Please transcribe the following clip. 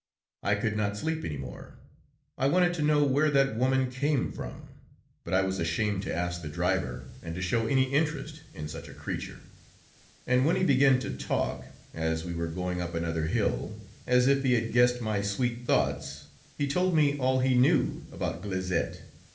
I could not sleep any more; I wanted to know where that woman came from, but I was ashamed to ask the driver and to show any interest in such a creature, and when he began to talk, as we were going up another hill, as if he had guessed my sweet thoughts, he told me all he knew about Glaizette.